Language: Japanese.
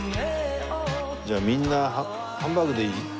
じゃあみんなハンバーグでいい？